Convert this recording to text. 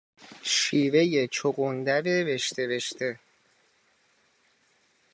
شیرهی چغندر رشته رشته